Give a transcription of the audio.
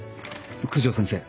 九条先生